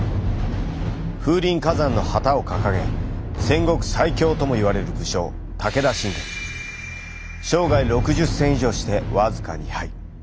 「風林火山」の旗を掲げ戦国最強とも言われる武将生涯６０戦以上して僅か２敗。